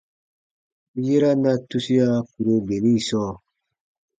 Yera na tusia kùro geni sɔɔ.